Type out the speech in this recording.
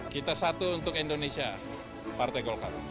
kita satu untuk indonesia partai golkar